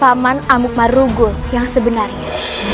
siapa paman amuk marugul yang sebenarnya